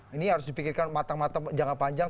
ini harus dipikirkan matang matang jangka panjang